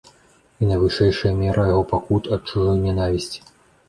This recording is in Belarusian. І найвышэйшая мера яго пакут ад чужой нянавісці.